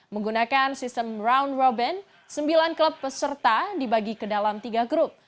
menggunakan sistem round robin sembilan klub peserta dibagi ke dalam tiga grup